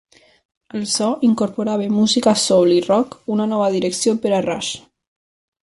El so incorporava música soul i rock, una nova direcció per a Rush.